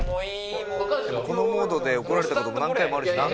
「このモードで怒られた事何回もあるしな」